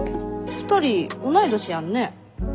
２人同い年やんね。